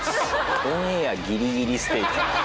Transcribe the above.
オンエアギリギリステーキ。